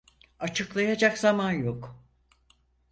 Açıklayacak zaman yok.